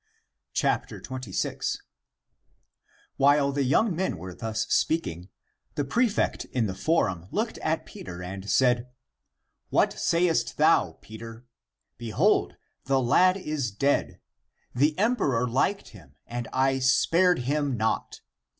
^'^ Comp. Lnke VH, ii sq. ACTS OF PETER 99 26. While the young men were thus speaking, the prefect in the forum looked at Peter and said, " What sayest thou, Peter ? Behold, the lad is dead; the emperor liked him, and I spared him not.